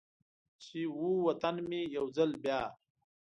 چې و طن مې یو ځل بیا،